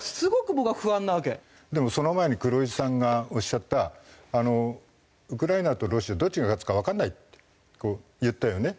でもその前に黒井さんがおっしゃったウクライナとロシアどっちが勝つかわかんないって言ったよね。